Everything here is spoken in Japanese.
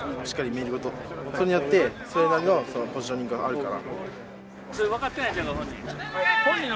それによってそれなりのポジショニングがあるから。